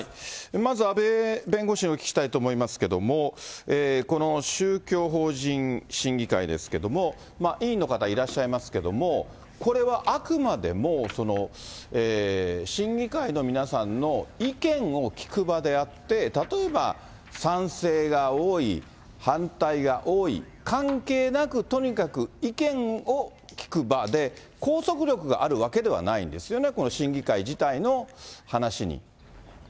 まず阿部弁護士にお聞きしたいと思いますけれども、この宗教法人審議会ですけれども、委員の方、いらっしゃいますけども、これはあくまでも、審議会の皆さんの意見を聞く場であって、例えば賛成が多い、反対が多い、関係なく、とにかく意見を聞く場で、拘束力があるわけではないんですよね、この審議会自体の話に。